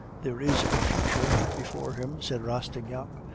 "'There is a future before him,' said Rastignac.